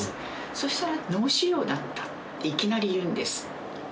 そしたら、脳腫瘍だったって、いきなり言うんです。